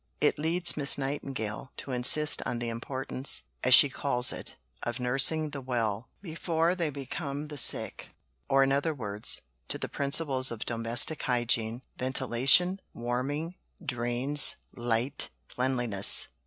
It leads Miss Nightingale to insist on the importance, as she calls it, of "nursing the well" before they become the sick; or in other words, to the principles of domestic hygiene ventilation, warming, drains, light, cleanliness.